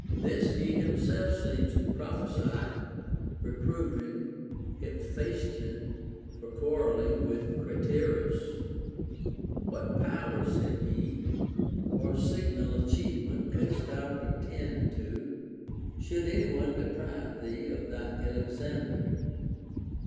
This he himself seemed to prophesy, reproving Hephaestion for quarrelling with Cra terus : What power, said he, or signal achievement couldst thou pretend to, should any one deprive thee of thy Alexander